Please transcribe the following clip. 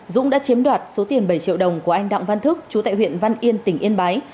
dũng đã chiếm đoạt số tiền bảy triệu đồng của anh đặng văn thức chú tại huyện văn yên tỉnh yên bái